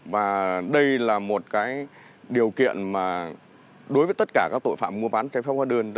và đây là một điều kiện mà đối với tất cả các tội phạm mua bán trái phép hóa đơn